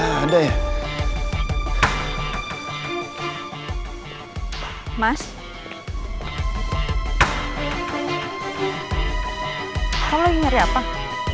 surat perjanjian kamu nih bilang